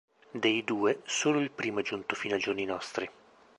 Dei due solo il primo è giunto fino ai giorni nostri.